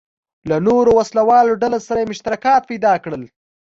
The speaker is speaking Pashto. له نورو وسله والو ډلو سره یې مشترکات پیدا کړل.